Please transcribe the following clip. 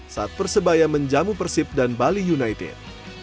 saat persebaya menjamu persib dan bali united